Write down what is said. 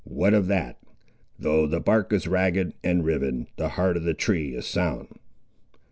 What of that! Though the bark is ragged and riven, the heart of the tree is sound."